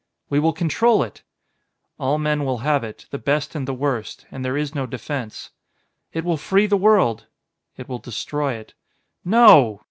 "We will control it." "All men will have it the best and the worst ... and there is no defence." "It will free the world " "It will destroy it." "No!"